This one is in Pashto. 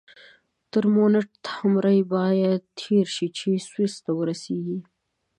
تر مونټ تاماري باید تېر شئ چې سویس ته ورسیږئ.